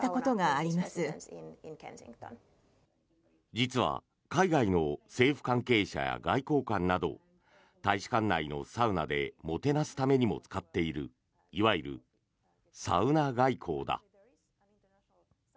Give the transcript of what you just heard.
実は海外の政府関係者や外交官などを大使館内のサウナでもてなすためにも使っているいわゆるサウナ外交だ。